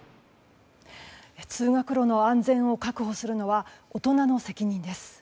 通学路の安全を確保するのは大人の責任です。